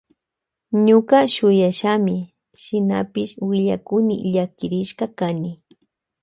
Ñuka shuyashami shinapash llakirishka kani willakuni.